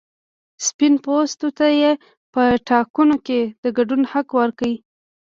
سپین پوستو ته یې په ټاکنو کې د ګډون حق ورکړ.